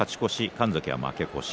神崎は負け越し。